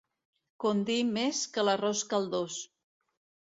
Condir més que l'arròs caldós.